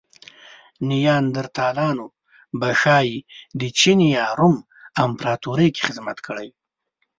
نیاندرتالانو به ښايي د روم یا چین امپراتورۍ کې خدمت کړی وی.